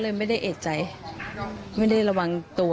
เนื่องจากนี้ไปก็คงจะต้องเข้มแข็งเป็นเสาหลักให้กับทุกคนในครอบครัว